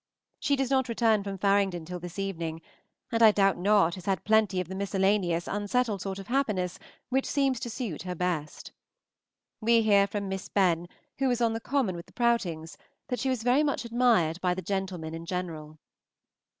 She does not return from Faringdon till this evening, and I doubt not has had plenty of the miscellaneous, unsettled sort of happiness which seems to suit her best. We hear from Miss Benn, who was on the Common with the Prowtings, that she was very much admired by the gentlemen in general.